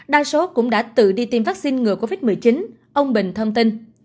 đa số cũng đã tự đi tiêm vaccine ngừa covid một mươi chín ông bình thông tin